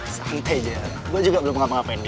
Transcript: santai aja gue juga belum ngapa ngapain nih